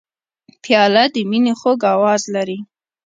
پیاله د مینې خوږ آواز لري.